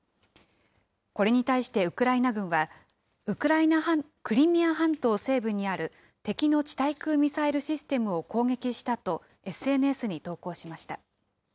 これに対してウクライナ軍は、クリミア半島西部にある敵の地対空ミサイルシステムを攻撃したと、ＳＮＳに投稿しました。